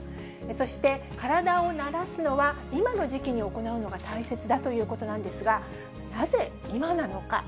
そして体を慣らすのは今の時期に行うのが大切だということなんですが、なぜ今なのか？